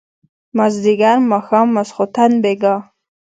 مازيګر ماښام ماسخوتن بېګا